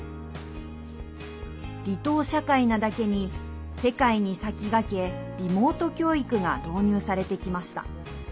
離島社会なだけに世界に先駆けリモート教育が導入されてきました。